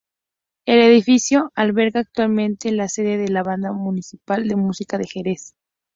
El edificio alberga actualmente la sede de la Banda Municipal de Música de Jerez.